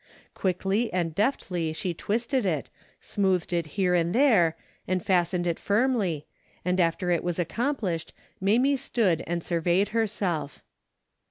A DAILY RATEy 279 Quickly and deftlj^ she twisted it, smoothed it here and there, and fastened it firmly, and after it was accomplished Mamie stood and surveyed herself.